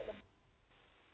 soalnya mungkin kalau menurut aku